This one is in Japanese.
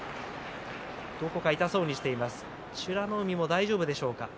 美ノ海は大丈夫でしょうか。